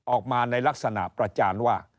ออกมาในลักษณะประจานว่า